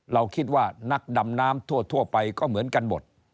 เราคิดว่านักดำน้ำทั่วไปก็เหมือนกันหมด